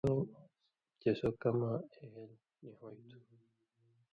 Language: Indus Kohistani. چے سو کماں اہل نی ہُوئ تُھو